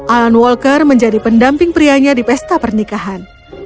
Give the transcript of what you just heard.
alan walker menjadi pendamping prianya di pesta pernikahan